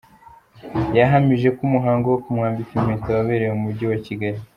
Yanahamije ko umuhango wo kumwambika impeta wabereye mu mujyi wa Kigali.